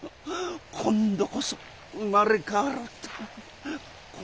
今度こそ生まれ変わろうって。